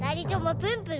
プンプン！